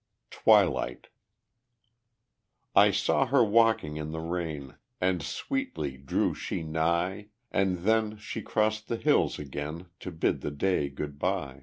Twilight I saw her walking in the rain, And sweetly drew she nigh; And then she crossed the hills again To bid the day good by.